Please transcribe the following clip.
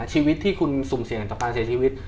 ชีวิตที่คุณสุ่มเสี่ยงต่อการเสียชีวิต